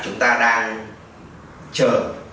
chúng ta đang chờ